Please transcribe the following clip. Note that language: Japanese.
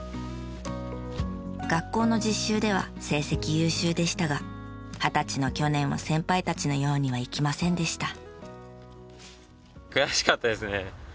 学校の実習では成績優秀でしたが二十歳の去年は先輩たちのようにはいきませんでした。